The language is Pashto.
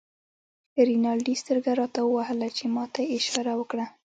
رینالډي سترګه راته ووهله چې ما ته یې اشاره وکړه.